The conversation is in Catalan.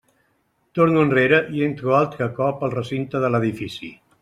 Torno enrere i entro altre cop al recinte de l'edifici.